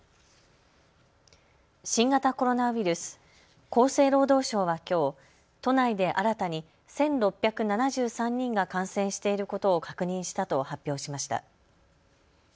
新型コロナウイルス、厚生労働省はきょう、都内で新たに１６７３人が感染していることを確認したと発表しました。